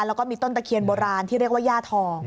แล้วก็มีต้นตะเคียนโบราณที่เรียกว่าย่าทอง